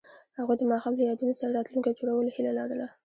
هغوی د ماښام له یادونو سره راتلونکی جوړولو هیله لرله.